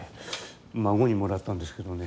孫にもらったんですけどね。